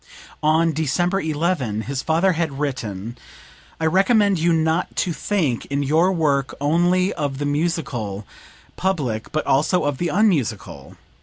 [On December 11, his father had written: "I recommend you not to think in your work only of the musical public, but also of the unmusical.